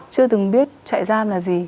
chưa từng biết chạy giam là gì